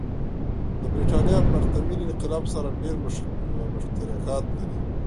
د برېټانیا پرتمین انقلاب سره ډېر مشترکات لري.